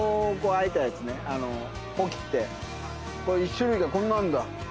種類がこんなあるんだ。